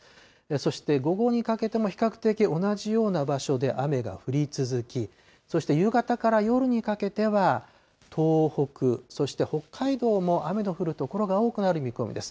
そして午後にかけても比較的同じような場所で雨が降り続き、そして夕方から夜にかけては、東北、そして北海道も雨の降る所が多くなる見込みです。